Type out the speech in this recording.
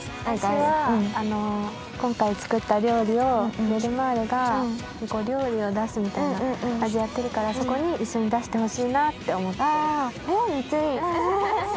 私は今回作った料理をベルマーレが料理を出すみたいなあれやってるからそこに一緒に出してほしいなって思ったり。